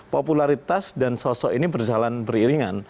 popularitas dan sosok ini berjalan beriringan